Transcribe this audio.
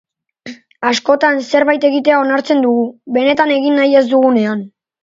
Askotan, zerbait egitea onartzen dugu, benetan egin nahi ez dugunean.